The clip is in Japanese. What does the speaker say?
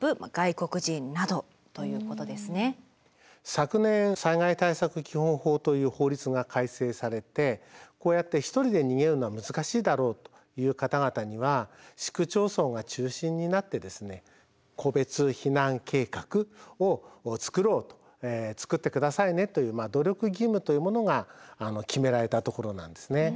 昨年「災害対策基本法」という法律が改正されてこうやって１人で逃げるのは難しいだろうという方々には市区町村が中心になって個別避難計画を作ろうと作って下さいねという努力義務というものが決められたところなんですね。